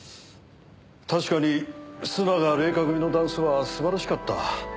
確かに須永礼夏組のダンスは素晴らしかった。